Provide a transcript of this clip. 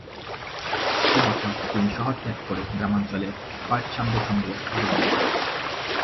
একই বছর তিনি শহর ত্যাগ করে গ্রামাঞ্চলে পার্টিসানদের সঙ্গে যোগ দেন।